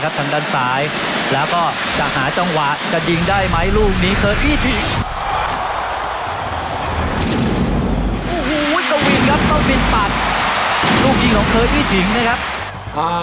ในทางด้านซ้ายแล้วก็จะหาจังหวะสนค้าทางไปไหม